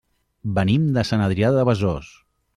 Venim de Sant Adrià de Besòs.